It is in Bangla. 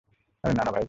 আরে, না, না, ভাইয়া।